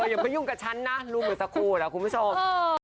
อย่ามายุ่งกับฉันนะรู้เหมือนสักครู่นะคุณผู้ชม